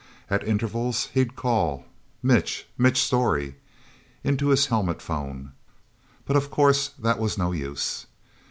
At intervals, he'd call, "Mitch... Mitch Storey...!" into his helmet phone. But, of course, that was no use.